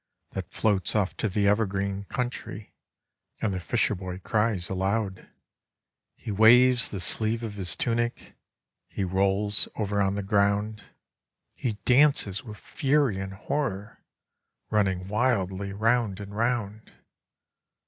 That floats off to the Evergreen Coimtry: ■ And the fisher boy cries aloud; He waves the sleeve of his tunic, He rolls over on the ground, 290 THE FISHER BOY URASHIMA He dances with fury and horror, Running wildly round and round.